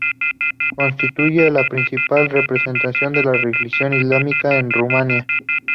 Constituyen la principal representación de religión islámica en Rumanía.